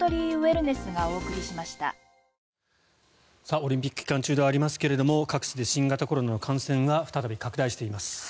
オリンピック期間中ではありますが各地で新型コロナの感染が再び拡大しています。